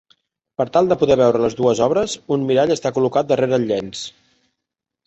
Per tal de poder veure les dues obres, un mirall està col·locat darrere el llenç.